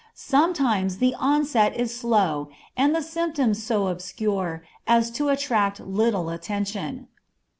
Sometimes the onset is slow and the symptoms so obscure as to attract little attention.